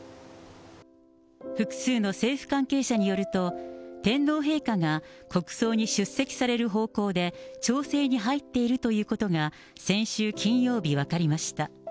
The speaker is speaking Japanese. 複数の政府関係者によると、天皇陛下が国葬に出席される方向で調整に入っているということが、先週金曜日、分かりました。